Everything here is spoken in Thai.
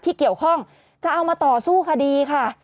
ที่เกี่ยวข้องจะเอามาต่อสู้คดีค่ะ